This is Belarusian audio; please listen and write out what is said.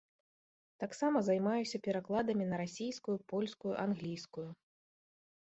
Таксама займаюся перакладамі на расійскую, польскую, англійскую.